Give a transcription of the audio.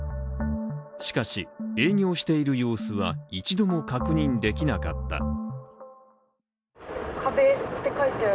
しかし、営業している様子は一度も確認できなかった。